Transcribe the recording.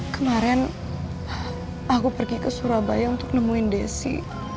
kemarin aku pergi ke surabaya untuk nemuin desi